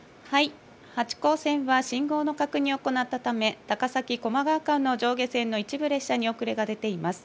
八高線は信号の確認を行ったため、高崎・高麗川間の上下線の一部列車に遅れが出ています。